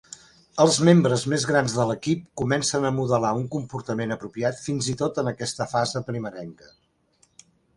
Els membres més grans de l'equip comencen a modelar un comportament apropiat fins i tot en aquesta fase primerenca.